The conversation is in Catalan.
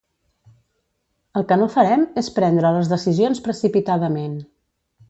El que no farem és prendre les decisions precipitadament.